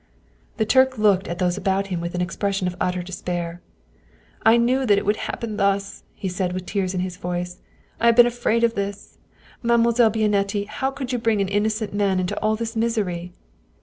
The Turk looked at those about him with an expression of utter despair. " I knew that it would happen thus," he said with tears in his voice. " I have been afraid of this. Mademoiselle Bianetti, how could you bring an innocent man into all this misery